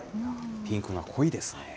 ピンクが濃いですね。